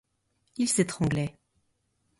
Il s'étranglait.